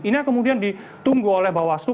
ini yang kemudian ditunggu oleh bawaslu